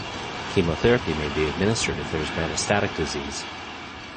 Chemotherapy may be administered if there is metastatic disease.